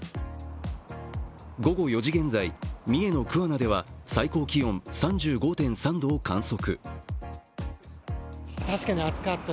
午後４時現在、三重の桑名では最高気温３５．３度を観測。